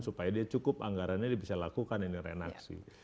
supaya dia cukup anggarannya bisa lakukan ini renaksi